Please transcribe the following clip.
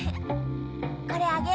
これあげる。